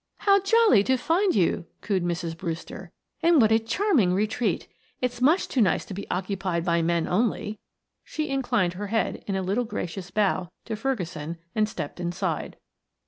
"How jolly to find you," cooed Mrs. Brewster. "And what a charming retreat! It's much too nice to be occupied by men, only." She inclined her head in a little gracious bow to Ferguson and stepped inside.